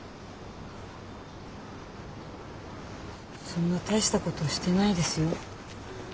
そんな大したことしてないですよ。